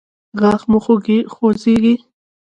غاښ مو خوځیږي؟